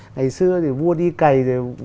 ngày xưa thì vua đi cày